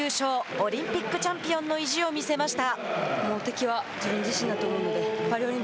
オリンピックチャンピオンの意地を見せました。